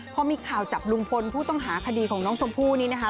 พอมีข่าวจับลุงพลผู้ต้องหาคดีของน้องชมพู่นี้นะคะ